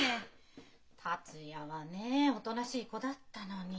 達也はねえおとなしい子だったのに。